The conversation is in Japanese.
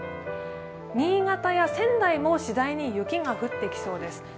新潟や仙台もしだいに雪が降ってきそうです。